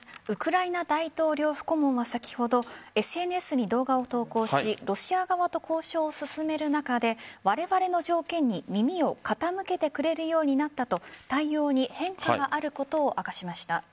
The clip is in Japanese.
ウクライナ大統領府顧問は先ほどＳＮＳに動画を投稿しロシア側と交渉を進める中でわれわれの条件に耳を傾けてくれるようになったと対応に変化があることを明かしました。